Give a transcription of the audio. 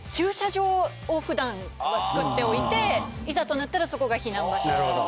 を普段造っておいていざとなったらそこが避難場所。